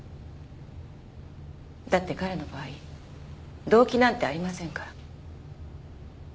だって彼の場合動機なんてありませんから。